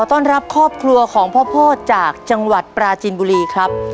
ต้อนรับครอบครัวของพ่อโพธิจากจังหวัดปราจินบุรีครับ